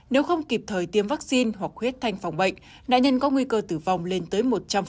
nếu không kịp thời tiêm vaccine hoặc huyết thanh phòng bệnh nạn nhân có nguy cơ tử vong lên tới một trăm linh